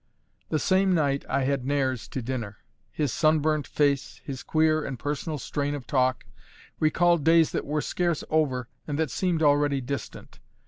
The same night I had Nares to dinner. His sunburnt face, his queer and personal strain of talk, recalled days that were scarce over and that seemed already distant.